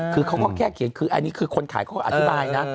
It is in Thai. คือเขาก็แค่เขียนคืออันนี้คือคนขายเขาก็อธิบายนะ